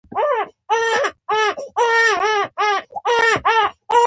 په دې شیانو کې سیستم او پالیسي شامل دي.